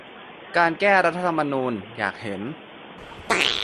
การ แก้รัฐธรรมนูญ อยากเห็น